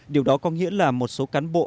điều đó có nghĩa là một số cán bộ